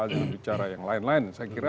jangan bicara yang lain lain saya kira